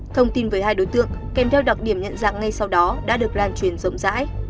thông tin với hai đối tượng kèm theo đặc điểm nhận dạng ngay sau đó đã được lan truyền rộng rãi